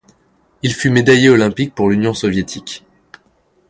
Il fut médaillé olympique pour l'Union soviétique.